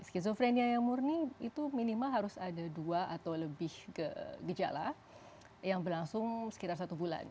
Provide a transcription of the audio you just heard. skizofrenia yang murni itu minimal harus ada dua atau lebih gejala yang berlangsung sekitar satu bulan